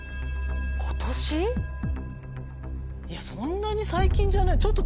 いやそんなに最近じゃない。